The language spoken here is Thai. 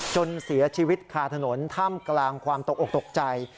จนเสียชีวิตคาถนนท่ามกลางความตกออกตกใจ